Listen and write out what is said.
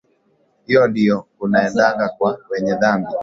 Hivo Ndio Kunaendaga kwa wenye dhambi.